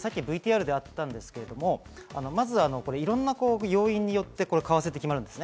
さて、ＶＴＲであったんですけれど、まず、いろんな要因によって為替って決まるんです。